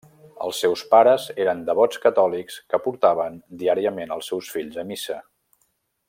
Els seus pares eren devots catòlics que portaven diàriament els seus fills a missa.